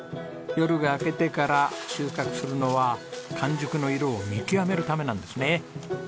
夜が明けてから収穫するのは完熟の色を見極めるためなんですね。